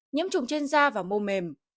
nhiễm trùng trên da và mô mềm